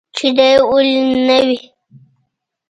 چې دى ولي نه وي.